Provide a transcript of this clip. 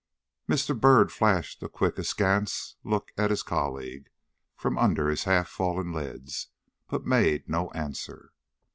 Mr. Byrd flashed a quick askance look at his colleague from under his half fallen lids, but made no answer.